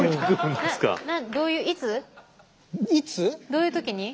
どういう時に？